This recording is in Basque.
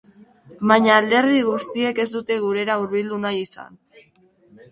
Baina alderdi guztiek ez dute gurera hurbildu nahi izan.